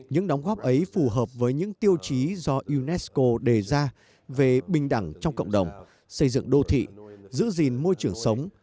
những đóng góp ấy phù hợp với những tiêu chí do unesco đề ra về bình đẳng trong cộng đồng xây dựng đô thị giữ gìn môi trường sống